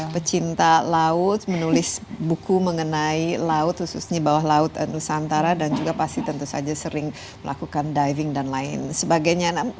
pecinta laut menulis buku mengenai laut khususnya bawah laut nusantara dan juga pasti tentu saja sering melakukan diving dan lain sebagainya